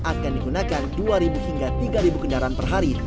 akan digunakan dua hingga tiga kendaraan per hari